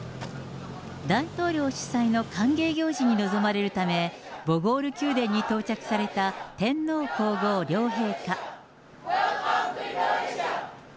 大統領主催の歓迎行事に臨まれるため、ボゴール宮殿に到着された天皇皇后両陛下。